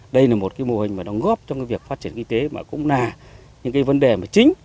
đây là một cái mô hình mà đóng góp cho cái việc phát triển kinh tế mà cũng là những cái vấn đề mà chính